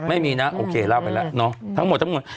ไม่มีนะโอเคเล่าไปแล้วเนาะทั้งหมดทั้งหมด